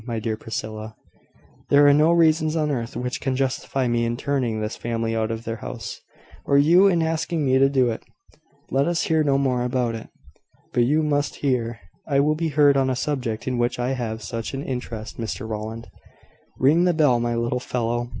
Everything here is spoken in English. My dear Priscilla, there are no reasons on earth which can justify me in turning this family out of their house, or you in asking me to do it. Let us hear no more about it." "But you must hear. I will be heard on a subject in which I have such an interest, Mr Rowland." "Ring the bell, my little fellow.